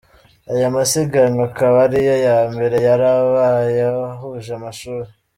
Aya masiganwa akaba ari yo ya mbere yari abaye ho ahuje Amashuri.